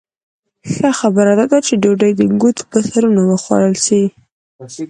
ښه خبره دا ده چې ډوډۍ د ګوتو په سرونو وخوړل شي.